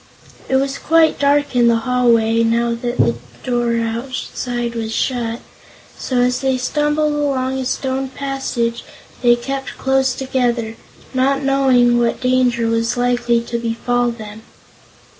It was quite dark in the hallway, now that the outside door was shut, so as they stumbled along a stone passage they kept close together, not knowing what danger was likely to befall them.